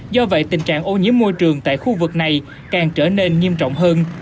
do vậy tình trạng ô nhiễm môi trường tại khu vực này càng trở nên nghiêm trọng hơn